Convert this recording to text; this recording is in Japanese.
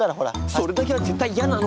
それだけは絶対嫌なの！